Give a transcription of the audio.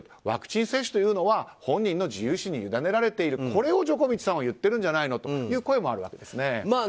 ワクチン接種というのは本人の自由意思に委ねられているこれをジョコビッチさんは言っているんじゃないかという声もあります。